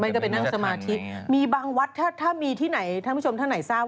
ครับเป็นวันพระใหญ่ครับ